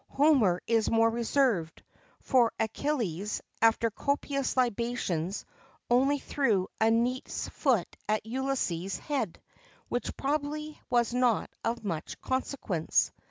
[XXVII 8] Homer is more reserved; for Achilles, after copious libations, only threw a neat's foot at Ulysses' head,[XXVII 9] which probably was not of much consequence.